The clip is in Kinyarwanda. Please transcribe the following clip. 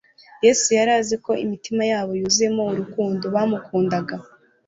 Yesu yari azi ko imitima yabo yuzuyemo urukundo bamukundaga,